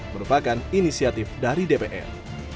merupakan inisiatif dari dpr